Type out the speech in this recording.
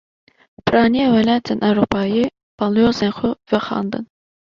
Piraniya welatên Ewropayê, balyozên xwe vexwendin